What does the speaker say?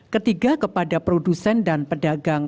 ketiga kepada produsen dan pedagang